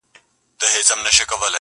په دې ښار کي زه حاکم یمه سلطان یم-